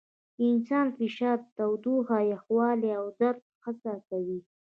انسان فشار، تودوخه، یخوالي او درد حس کوي.